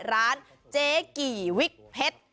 ร้านเจ๊กี่วิกเพชร